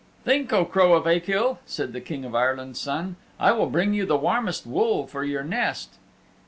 "Think, O Crow of Achill," said the King of Ireland's Son. "I will bring you the warmest wool for your nest."